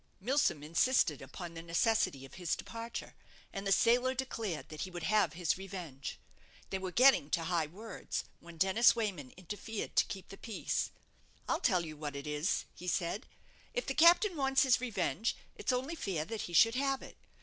Milsom insisted upon the necessity of his departure, and the sailor declared that he would have his revenge. They were getting to high words, when Dennis Wayman interfered to keep the peace. "I'll tell you what it is," he said; "if the captain wants his revenge, it's only fair that he should have it.